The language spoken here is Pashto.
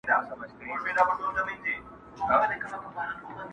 په يوه تاخته يې پى كړله مزلونه!.